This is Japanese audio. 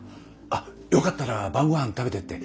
あよかったら晩ごはん食べてって。